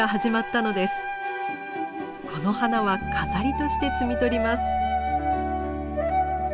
この花は飾りとして摘み取ります。